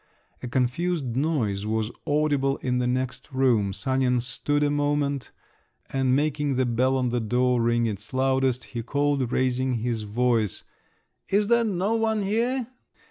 A confused noise was audible in the next room. Sanin stood a moment, and making the bell on the door ring its loudest, he called, raising his voice, "Is there no one here?"